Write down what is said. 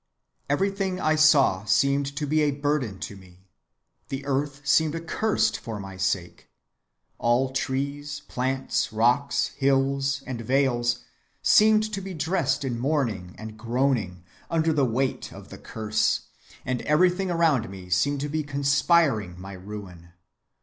"Everything I saw seemed to be a burden to me; the earth seemed accursed for my sake: all trees, plants, rocks, hills, and vales seemed to be dressed in mourning and groaning, under the weight of the curse, and everything around me seemed to be conspiring my ruin.